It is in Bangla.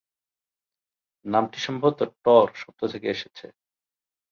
নামটি সম্ভবত "টর" শব্দ থেকে এসেছে।